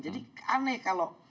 jadi aneh kalau